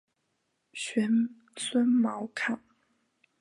玄孙毛堪。